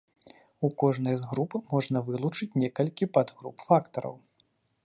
У кожнай з груп можна вылучыць некалькі падгруп фактараў.